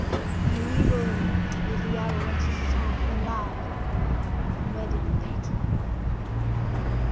And evil was the hour when she saw, and loved, and wedded the painter.